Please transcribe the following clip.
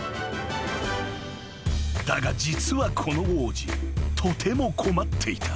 ［だが実はこの王子とても困っていた］